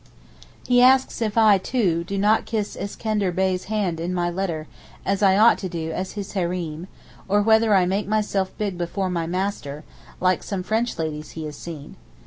He asks if I, too, do not kiss Iskender Bey's hand in my letter, as I ought to do as his Hareem, or whether 'I make myself big before my master,' like some French ladies he has seen?